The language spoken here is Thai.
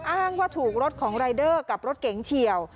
อ้างว่าถูกรถของรายเดอร์กับรถเก๋งเฉียว